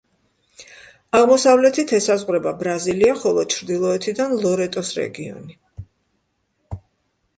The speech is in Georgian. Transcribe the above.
აღმოსავლეთით ესაზღვრება ბრაზილია, ხოლო ჩრდილოეთიდან ლორეტოს რეგიონი.